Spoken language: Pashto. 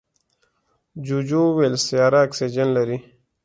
جوجو وویل سیاره اکسیجن لري.